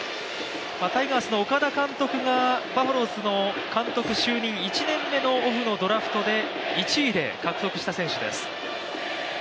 タイガースの岡田監督がバファローズの監督就任１年目のオフのドラフトで１位で獲得した選手です。